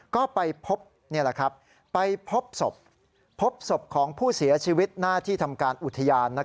ก็ไปพบไปพบศพพบศพของผู้เสียชีวิตหน้าที่ทำการอุทยาน